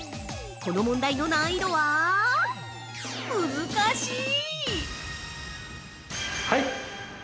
この問題の難易度は難しい！